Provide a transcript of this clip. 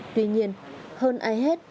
tuy nhiên hơn ai hết